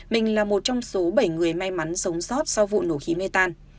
mình là một trong số bảy người may mắn sống sót sau vụ nổ khí mê tan